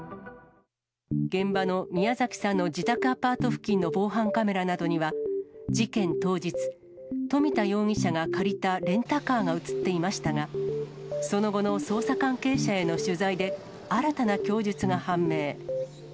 現場の宮崎さんの自宅アパート付近の防犯カメラなどには、事件当日、冨田容疑者が借りたレンタカーが写っていましたが、その後の捜査関係者への取材で、新たな供述が判明。